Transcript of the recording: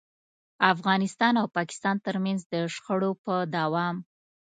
افغانستان او پاکستان ترمنځ د شخړو په دوام.